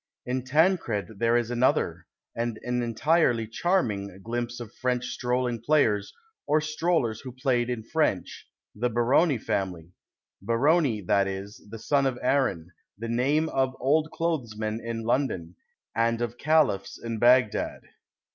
In " Tancred " there is another, and an entirely charming, glimpse of French strolling players or strollers who played in French, the Baroni family —" Baroni ; that is, the son of Aaron ; the name of old clothesmen in London, and of Caliphs in Bagli dad."